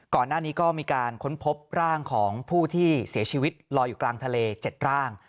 ก่อนหน้านี้ก็มีการค้นพบร่างของผู้ที่เสียชีวิตลอยอยู่กลางทะเล๗ร่าง